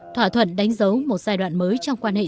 thỏa thuận đánh dấu một giai đoạn mới trong quan hệ